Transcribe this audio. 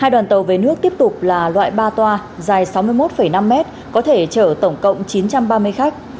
hai đoàn tàu về nước tiếp tục là loại ba toa dài sáu mươi một năm mét có thể chở tổng cộng chín trăm ba mươi khách